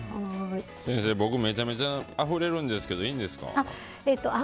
先生、僕めちゃめちゃあふれるんですけどいいんですか？